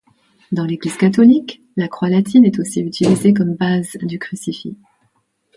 Dans l'Église catholique la croix latine est aussi utilisée comme base du crucifix.